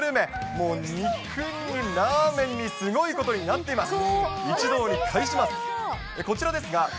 もう、肉にラーメンに、すごいことになってます。